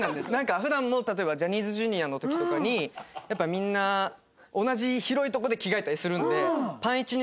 普段も例えばジャニーズＪｒ．の時とかにやっぱりみんな同じ広いとこで着替えたりするんで。